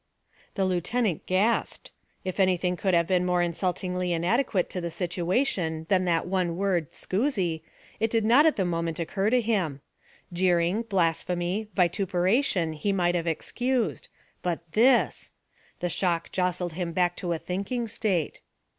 The lieutenant gasped. If anything could have been more insultingly inadequate to the situation than that one word Scusi, it did not at the moment occur to him. Jeering, blasphemy, vituperation, he might have excused, but this! The shock jostled him back to a thinking state.